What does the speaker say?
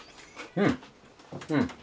うん！